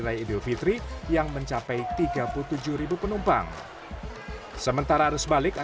dan pada h empat akan mencapai tiga puluh sembilan penumpang di bandar juanda